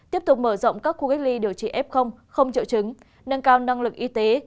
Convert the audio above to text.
tiếp tục mở rộng các khu cách ly điều trị f không triệu chứng nâng cao năng lực y tế